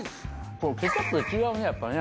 このケチャップ違うねやっぱりね。